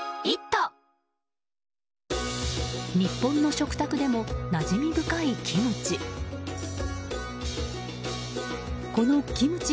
日本の食卓でもなじみ深いキムチ。